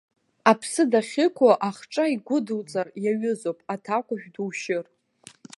Аԥсы дахьықәу ахҿа игәыдуҵар иаҩызоуп, аҭакәажә душьыр.